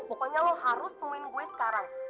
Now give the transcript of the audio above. pokoknya lo harus temuin gue sekarang